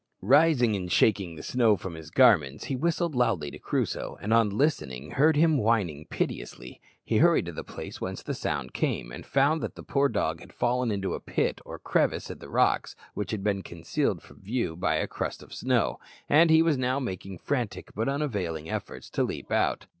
Rising and shaking the snow from his garments, he whistled loudly to Crusoe, and, on listening, heard him whining piteously. He hurried to the place whence the sound came, and found that the poor dog had fallen into a deep pit or crevice in the rocks, which had been concealed from view by a crust of snow, and he was now making frantic but unavailing efforts to leap out.